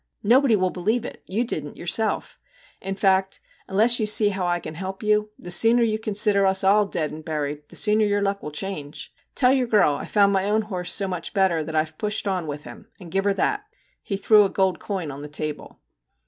Nobody will believe it you didn't yourself. In fact, unless you see how I can help you, the sooner you con sider us all dead and buried, the sooner your luck will change. Tell your girl I Ve found my own horse so much better that I have pushed on with him, and give her that/ He threw a gold coin on the table.